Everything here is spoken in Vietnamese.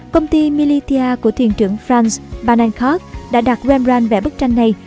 công ty militia của thuyền trưởng franz bernhard koch đã đặt rembrandt vẽ bức tranh này